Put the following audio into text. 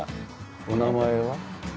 お名前は？